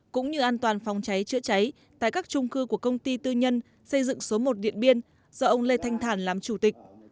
cũng như an toàn phòng cháy chữa cháy tại các trung cư của công ty tư nhân xây dựng số một điện biên do ông lê thanh thản làm chủ tịch